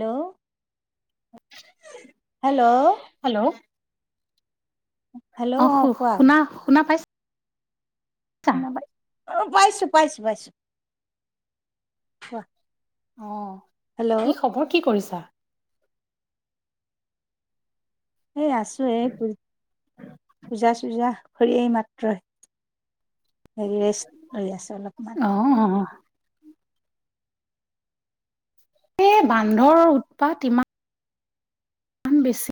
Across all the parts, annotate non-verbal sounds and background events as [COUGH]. Hello! Hello! Hello, hello অ, শু কোৱা শুনা-শুনা পাইচো। অ, পাইছো-পাইছো-পাইছো। [UNINTELLIGIBLE] অ, হেল্ল' কি খবৰ, কি কৰিছা? এই আছোঁ এই পূজা-চূজা কৰিয়েই মাত্ৰ হেৰি ৰেষ্ট লৈ আছো অলপমান। উম, হু-হু, এই বান্ধৰ উৎপাত ইমান। বেছি।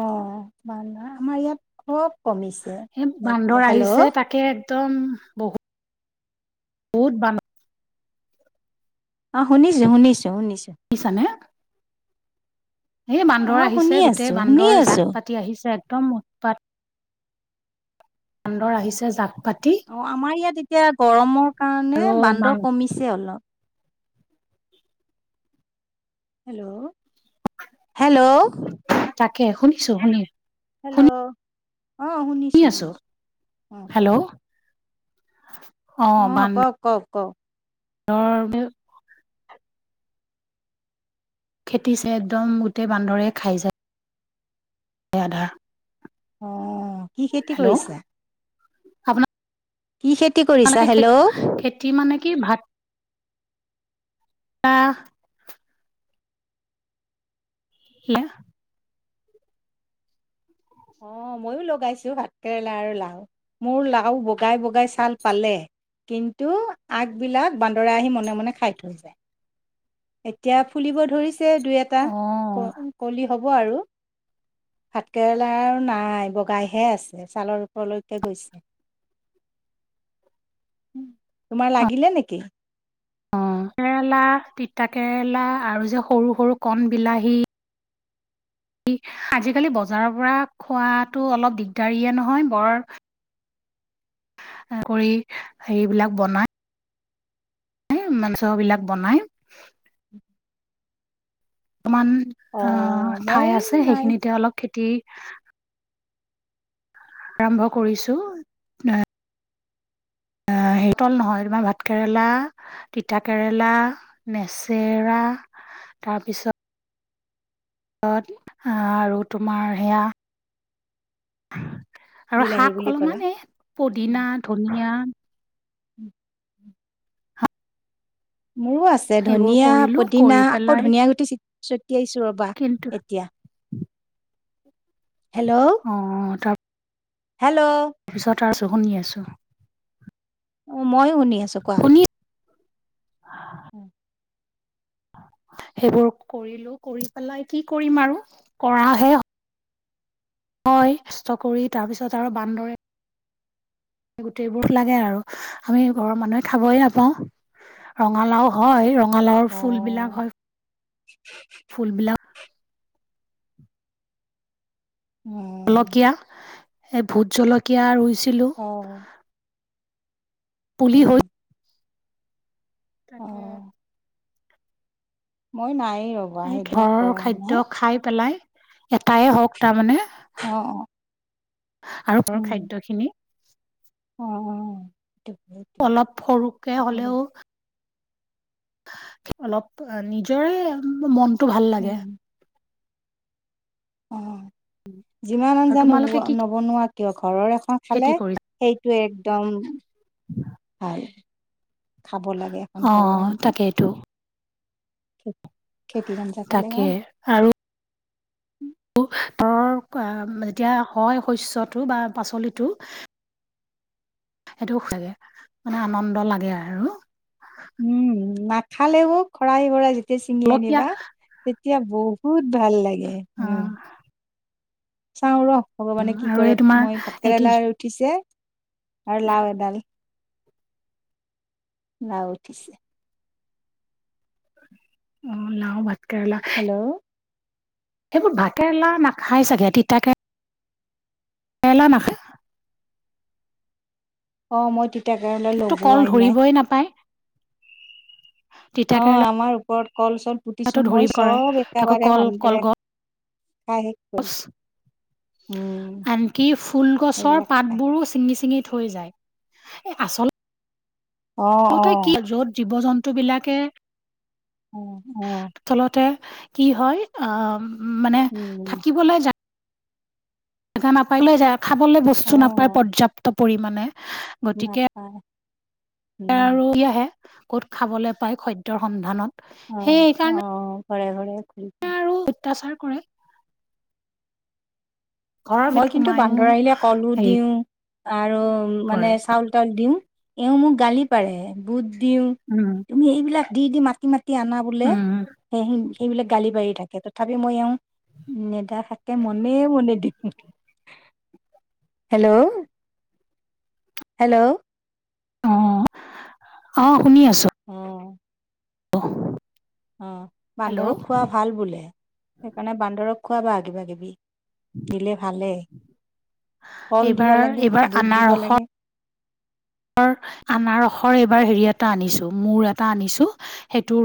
অঁ, বান্ধৰ আমাৰ ইয়াত খব কমিছে। এই বান্দৰ এতিয়া আহিছে হেল্ল', তাকে একদম বহুত-বহুত বান অঁ, শুনিছো-শুনিছো-শুনিছো। পিছা নে? এই অ বান্দৰ শুনি আহিছে আছো গোটেই শুনি বান্দৰ আছো জাক পাতি আহিছে একদম উৎপাত। বান্দৰ আহিছে জাক পাতি। অঁ, আমাৰ ইয়াত এতিয়া গৰমৰ কাৰণে আৰু মান বান্দৰ কমিছে অলপ। হেল্ল'-হেল্ল', তাকে শুনিছো শুনি, হেল্ল' শুনি অঁ, আছো শুনিছোঁ-শুনিছোঁ অঁ, কওক? হেল্ল' অঁ, কওক কওক কওক? তেওঁৰ খেতিছে একদম গোটেই বান্দৰে খাই যায়। আধা। অ, কি খেতি হেল্ল' কৰিছা? কি খেতি কৰি তোমালোকে খেতি-খেতি মানে কি ভাত [UNINTELLIGIBLE] সিয়া [UNINTELLIGIBLE] অঁ, ময়ো লগাইছো ভাত কেৰেলা আৰু লাও মোৰ লাও বগাই-বগাই ছাল পালে। কিন্তু আগবিলাক বান্দৰে আহি মনে-মনে খাই থৈ যায়। এতিয়া ফুলিব ধৰিছে। দুই এটা অ কলি হ'ব আৰু ভাতকে লাও নাই বগাইহে আছে ছালৰ ওপৰলৈকে গৈছে। তোমাৰ লাগিলে নেকি? অঁ, কেৰেলা, তিতা কেৰেলা আৰু যে সৰু সৰু কণ বিলাহী। জি আজিকালি বজাৰ পৰা খোৱাতো অলপ দিগদাৰিয়ে নহয় বৰ- কৰি সেইবিলাক বনাই। মাংস বিলাক বনাই। অকনমান অ অঁ, ঠাই মই আছে নাই সেইখিনিতে অলপ খেতি আৰম্ভ কৰিছো। শেতল নহয় তোমাৰ ভাত কেৰেলা তিতা কেৰেলা, নেচেৰা তাৰপিছত অহ, টিপ আৰু তোমাৰ সেয়া আৰু বিলাহী শাক বুলি ক'লা অলপমান এই পদিনা, ধনিয়া মোৰো আছে সেইবোৰ ধনিয়া, কৰিলো পদিনা কৰি আকৌ পেলাই ধনীয়া গুটি চি ছটিয়াইছো ৰবা কিন্তু এতিয়া হেল্ল', অ হেল্ল', পিছত আছোঁ শুনি আছোঁ। অ, মইয়ো শুনি আছো কোৱা? শুনি উম। সেইবোৰ কৰিলো কৰি পেলাই কি কৰিম আৰু কৰাহে হয় কৰি তাৰপিছত আৰু বান্দৰে গোটেইবোৰ লাগে আৰু আমি ঘৰৰ মানুহে খাবই নাপাওঁ। ৰঙালাও হয় ৰঙালাওৰ অ ফুল বিলাক হয় ফুল বিলাক উম, অলপকীয়া এই ভোট জলকীয়া ৰুইছিলোঁ। অ', অ পুলি হৈ অ তাকে। মই নাই অ', এইকে ঘৰৰ খাদ্য খাই পেলাই এটাই হওক তাৰমানে অ', অ', আৰু বৰ উম খাদ্য খিনি অ', [UNINTELLIGIBLE] বহুত অলপ সৰুকে হ'লেও অলপ নিজৰে মনটো ভাল উম লাগে। অ, যিমান আৰু আঞ্জা নব তোমালোকে কি -নবনোৱা কিয় ঘৰৰ এখন খেতি খালে কৰিছা? সেই টো একদম [UNINTELLIGIBLE] ভাল খাব লাগে এখন ঘৰৰ অ', আঞ্জা। তাকেইটো খে- খেতিৰ আঞ্জা খালে তাকে, ভাল আৰু অ, কোৱা যেতিয়া হয় শস্যটো বা পাচলিটো সেই দুখ লাগে মানে আনন্দ লাগে আৰু। উম, নাখালেও খৰাই বৰাই যেতিয়া ছিঙি জলকীয়া আনিবা তে এতিয়া বহুত ভাল লাগে হম, অ', চাওঁ ৰ ভগৱানে কি আৰু কৰে এই তোমাৰ মই এই কি ভাতকেইৰোলা উঠিছে আৰু লাও এডাল লাও উঠিছে। অ, লাওঁ, ভাতকেৰেলা হেল্ল', সেইবোৰ ভাত কেৰেলা নাখাই চাগে তিতাকে কেৰেলা নাখা অ, মই তিতা কেৰেলা লগোৱাই নাই। এ নাপায় তিতা অ, কেৰেলাটো আমাৰ ওপৰত কল চল পুতিছো ধৰি মই কৰে চব তাকৌ একেবাৰে কল ভালদৰে কলগছ [UNINTELLIGIBLE] [UNINTELLIGIBLE] উম, আনকি ফুল গছৰ সেইবিলাক খাই পাতবোৰো ছিঙি -ছিঙি থৈ যায়। এই আচল অ', তহঁতে কি অ', য'ত জীৱ- জন্তু বিলাকে অ', অ', তলতে কি হয় আহ, মানে উম, থাকিবলৈ জা [UNINTELLIGIBLE] গা নাপাই লৈ যায় খাবলে বস্তু নাপায় অ', পৰ্যাপ্ত পৰিমাণে। গতিকে নাপায় উম, আৰু এটিয়াহে ক'ত খাবলে পাই সত্যৰ সন্ধানত। অ', সেইকাৰণে অ' ঘৰে-ঘৰে। [UNINTELLIGIBLE] আৰু অত্যাচাৰ কৰে। ঘৰৰ মই ভিতৰত কিন্তু সোমায়ো বান্দৰ আহিলে কলো হেৰি দিওঁ আৰু মানে কৰে চাউল তাউল দিওঁ এওঁ মোক গালি পাৰে বুধ দিওঁ উম তুমি এইবিলাক দি- দি মাতি -মাতি আনা বোলে উম সে এইবিলাক গালি পাৰি থাকে তথাপিও মই এওঁ নেদেখাকে মনে- মনে দিওঁ। হেল্ল', হেল্ল', অ', অ', শুনি আছো। উম। [INAUDIBLE] অ' হেল্ল' বান্দৰক খোৱা ভাল বোলে, সেইকাৰণে বান্দৰক খোৱাবা কিবা কিবি। দিলে ভালেই কল এইবাৰ দিব লাগে এইবাৰ বুট দিব লাগে। [INAUDIBLE] [UNINTELLIGIBLE] আনাৰসৰ এইবাৰ হেৰি এটা আনিছো মোৰ এটা আনিছো সেইটো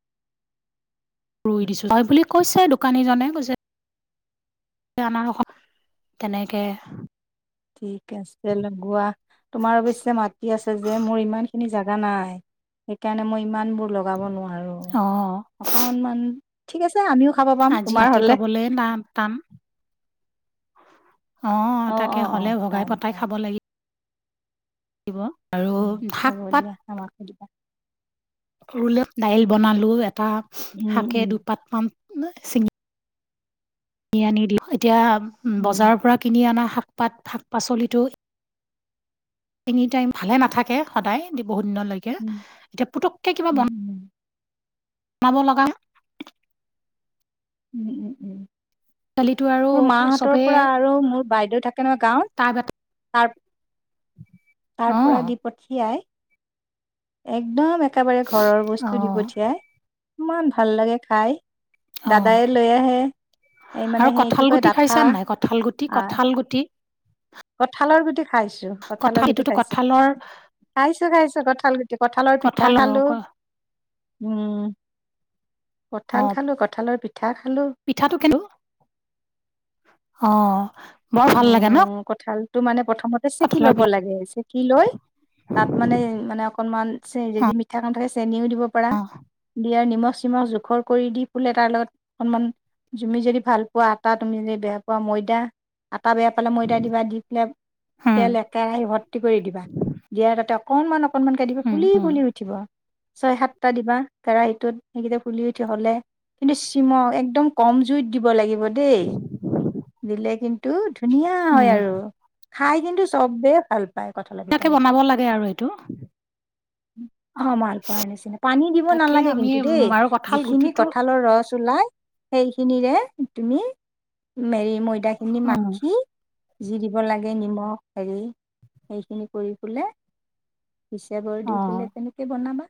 ৰুই দিছো। হয় বুলি কৈছে দোকানীজনে কৈছে তে আনাৰস তেনেকে ঠিক আছে লগোৱা। তোমাৰ অবশ্যে মাটি আছে যে মোৰ ইমান খিনি জাগা নাই, সেইকাৰণে মই ইমানবোৰ লগাব নোৱাৰোঁ। অ', অকনমান ঠিক আছে আমিও খাব পাম আজি তোমাৰ মাটি হলে পাবলৈ টান। অ' তাকে অ হ'লে ভগাই টান পতাই টান খাব লাগি [UNINTELLIGIBLE] হম শাক হব পাত দিয়া আমাকো ৰুলে দাইল বনালো এটা উম শাকে উম দুপাত মান চিঙি কিনি আনি দিওঁ এতিয়া উম বজাৰ পৰা কিনি অনা শাক পাত শাক পাচলিটো এনি টাইম ভালে নাথাকে সদায় দে বহু দিনলৈ উম এতিয়া পুতুককে কিবা উম উম বনাব লাগা উম, উম-উম। কালিতো আৰু মোৰ মাহঁতৰ চবেই পৰা আৰু মোৰ বাইদেউ থাকা [UNINTELLIGIBLE] গাঁৱত টাব এটা তাৰ তাৰ অ', পৰা দি পঠিয়াই। একদম একেবাৰে ঘৰৰ বস্তু দি অ', পঠিয়াই ইমান ভাল লাগে খাই। অ', দাদায়ে লৈ আহে। এই মানে আৰু সেই কি কঁঠাল কয় গুটি ডাঠা খাইছা নাই কঁঠাল গুটি আ কঁঠাল গুটি কঠালৰ গুটি খাইছো কঁঠালৰ কঁঠাল গুটি এইটোতো খাইছো, কঁঠালৰ খাইছো খাইছো কঁঠাল গুটি কঁঠালৰ পিঠা কঁঠাল খালো, উম অ কঠাল খালো লো কঁঠালৰ পিঠা খালো। পিঠাটো [UNINTELLIGIBLE] অ' বৰ ভাল লাগে ন উম, কঠালটো মানে প্ৰথমতে চেকি কঁঠালৰ লব পিঠা লাগে চেকি লৈ তাত মানে, মানে অকণমান চে যদি মিঠা কণ থাকে চেনিও দিব পাৰা। দিয়ে। নিমখ-চিমখ জোখৰ কৰি দি ফুল এতাৰ লগত অকনমান তুমি যদি ভাল পোৱা আটা, তুমি যদি বেয়া পোৱা ময়দা। আটা বেয়া পালে ময়দা দিবা। দি পেলাই উম তেল একেৰাহি ভৰ্তি কৰি দিবা। দিয়া তাতে অকনমান অকনমান কে দিবি উম ফুলি- উম ফুলি উঠিব। ছয় সাতটা দিবা কেৰাহীটোত সেইগিটা ফুলি উঠি হলে। কিন্তু চিম একদম কম জুইত দিব লাগিব দেই দিলে। টো ধুনীয়া হয় উম আৰু। খাই কিন্তু চববে ভাল পায় কঁঠালৰ তাকে পিঠাকেইটা বনাব লাগে আৰু এইটো। অ' মাল পোৱাৰ নিচিনা। পানী দিব তাকে নালাগে আমি কিন্তু দেই। আৰু কঁঠাল যিখিনি গুটিটো কঁঠালৰ ৰস ওলাই সেইখিনিৰে তুমি মেৰি ময়দাখিনি মা উম যি দিব লাগে নিমখ হেৰি, সেইখিনি কৰি বলে হিচাবৰ অ দি পেলাই তেনেকে বনাবা।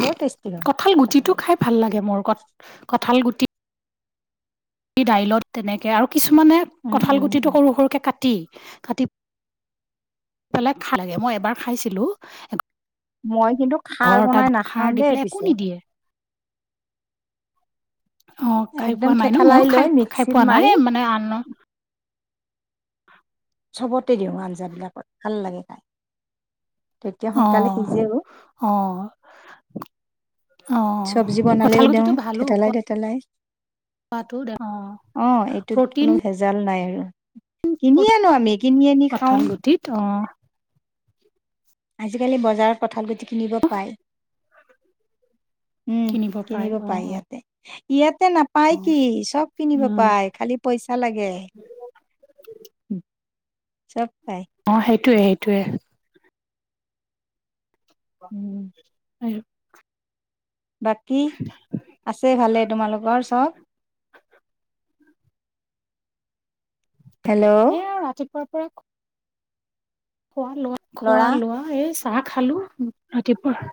বৰ টেষ্টি হয় কঁঠাল গুটিটো পাতলা খাই পিঠা। ভাল লাগে মোৰ। ক কঁঠাল গুটি দাইলত তেনেকে আৰু কিছুমানে উম, কঁঠাল উম, গুটিটো উম। সৰু সৰুকে কাট টি কাটি পেলে খাই। মই এবাৰ খাইছিলো মই কিন্তু খাৰ [UNINTELLIGIBLE] তাত বনাই সাৰ নাখাওঁ দি দেই পেলেই একো পিছে। নিদিয়ে। অ' খাই একদম পোৱা নাই ন। থেঠালাই মইও লৈ খাই-খাই মিক্সিত পোৱা নাই মাৰি মানে আন চবতে দিওঁ আঞ্জা বিলাকত ভাল লাগে খাই। তেতিয়া অ সোনকালে সিজেও। অ', অ', চব্জি কঁঠাল বনালেও দিওঁ গুটিটো ভালো থেতেলাই থেতেলাই। দে অ' এইটোত কোনো প্ৰটিন ভেজাল নাই আৰু৷ কিনি প্ৰটিন আনো আমি কিনি আনি কঁঠাল খাওঁ। গুটিত অ', আজিকালি বজাৰত কঁঠালগুটি কিনিব পায়। উম পাৰে কিনিব পাই অ', অ'। ইয়াতে। ইয়াতে নাপায় কি চব কিনিব উম, পাই। খালি পইচা লাগে। চব পাই অ', সেইটোয়ে সেইটোয়ে। [INAUDIBLE] আৰু বাকী আছে ভালে তোমালোকৰ চব? হেল্ল' এ ৰাতিপুৱাৰ পৰাই খোৱা লোৱা খোৱা লোৱা। এই চাহ খালো ৰাতিপুৱা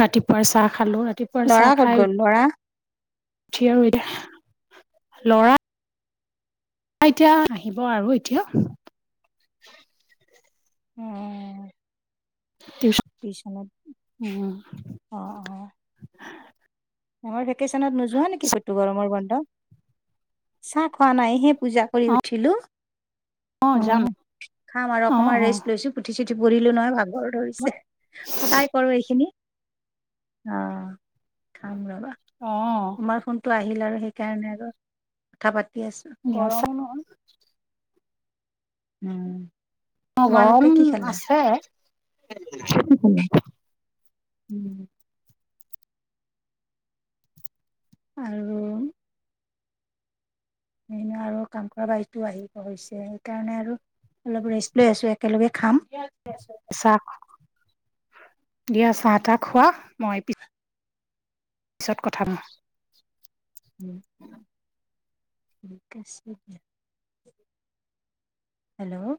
ৰাতিপুৱাৰ চাহ খালো ৰাতিপুৱা। চাহ খাই লৰা উঠি আৰু এতিয়া লৰা। এতিয়া আহিব আৰু এতিয়া। উম। [UNINTELLIGIBLE] টিচনত উম, অ' অ'। চামাৰ ভেকেশচনত নোযোৱা নেকি কতো গৰমৰ বন্ধত? চাহ খোৱা নাইহে পূজা কৰি উঠিলো। অ', খাম আৰু অ', অকমান অ'। ৰেষ্ট লৈছো। পুঠি চুঠি পঢ়িলো নহয় ভাগৰ ধৰিছে। সদায় কৰো এইখিনি। অ', খাম ৰবা। অ', তোমাৰ ফোনটো আহিল আৰু সেইকাৰণে আৰু, কথা পাতি আছো দিয়া গৰমো নহয়। উম অ', তোমালোকে গৰম কি খালা? আছে। [INAUDIBLE] আৰু। এ আৰু কাম কৰা বাইটো আহিব হৈছে সেইকাৰণে আৰু। অলপ ৰেষ্ট লৈ আছো একেলগে খাম। চাহ দিয়া চাহ তাহ খোৱা মই পি পিছত কথা পাতিম [INAUDIBLE] হেল্লো'।